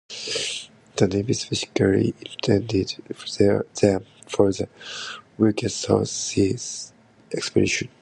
The Navy specifically intended them for the Wilkes-South Seas expedition.